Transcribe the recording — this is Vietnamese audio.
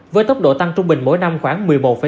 với tốc độ tăng trung bình mỗi năm khoảng một mươi một năm